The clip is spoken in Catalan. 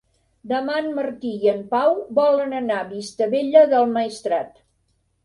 Demà en Martí i en Pau volen anar a Vistabella del Maestrat.